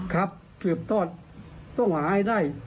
สืบทอดต้องหาให้ได้